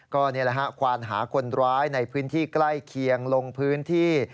ก็นี่แหละฮะควานหาคนร้ายในพื้นที่ใกล้เคียงลงพื้นที่